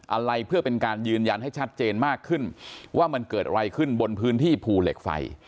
อะไรเพื่อเป็นการยืนยันให้ชัดเจนมากขึ้นว่ามันเกิดอะไรขึ้นบนพื้นที่ภูเหล็กไฟ